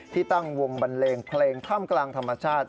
ตั้งวงบันเลงเพลงท่ามกลางธรรมชาติ